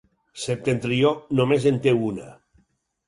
Septentrió només en té una.